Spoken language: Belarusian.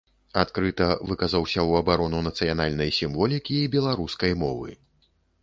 Адкрыта выказаўся ў абарону нацыянальнай сімволікі і беларускай мовы.